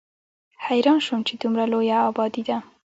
حېران شوم چې دومره لويه ابادي ده